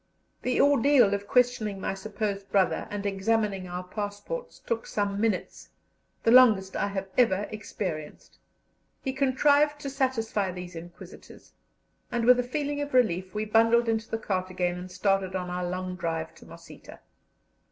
The ordeal of questioning my supposed brother and examining our passports took some minutes the longest I have ever experienced. He contrived to satisfy these inquisitors, and with a feeling of relief we bundled into the cart again and started on our long drive to Mosita.